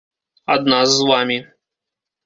Ад нас з вамі.